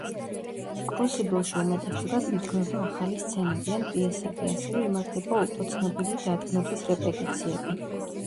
კრუსიბლში უმეტესწილად იდგმება ახალი სცენები ან პიესები, ასევე იმართება უკვე ცნობილი დადგმების რეპეტიციები.